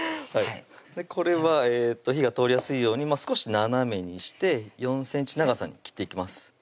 はいこれはえっと火が通りやすいように少し斜めにして４ｃｍ長さに切っていきます